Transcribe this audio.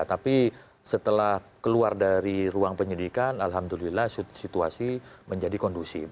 tapi setelah keluar dari ruang penyidikan alhamdulillah situasi menjadi kondusif